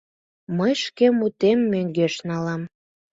— Мый шке мутем мӧҥгеш налам.